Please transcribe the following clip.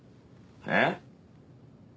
えっ？